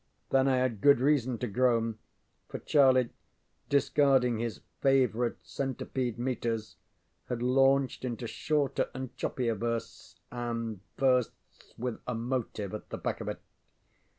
Then I had good reason to groan, for Charlie, discarding his favorite centipede metres, had launched into shorter and choppier verse, and verse with a motive at the back of it.